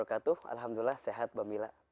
alhamdulillah sehat bambila